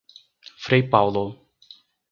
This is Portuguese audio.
Frei Paulo